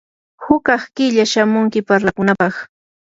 hukaq killa shamunki parlakunapaq.